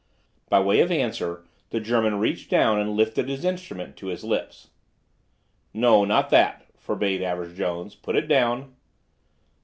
By way of answer the German reached down and listed his instrument to his lips. "No, not that," forbade Average Jones. "Put it down."